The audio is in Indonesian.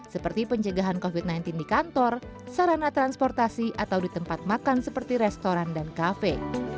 seperti pencegahan covid sembilan belas di kantor sarana transportasi atau di tempat makan seperti restoran dan kafe